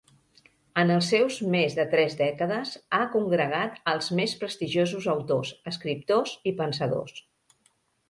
En els seus més tres dècades ha congregat als més prestigiosos autors, escriptors i pensadors.